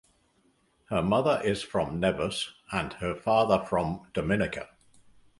Her mother is from Nevis and her father from Dominica.